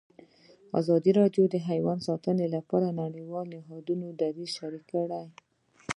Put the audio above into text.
ازادي راډیو د حیوان ساتنه د نړیوالو نهادونو دریځ شریک کړی.